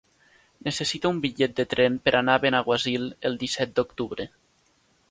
Necessito un bitllet de tren per anar a Benaguasil el disset d'octubre.